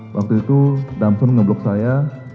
waktu itu damsun ngeblok saya